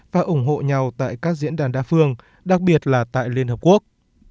và ủng hộ nhau tại các diễn đàn đa phương đặc biệt là tại liên hợp quốc